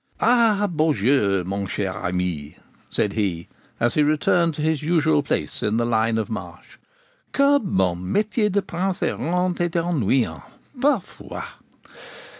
'Ah, Beaujeu, mon cher ami,' said he, as he returned to his usual place in the line of march, 'que mon metier de prince errant est ennuyant, par fois.